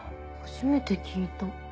初めて聞いた。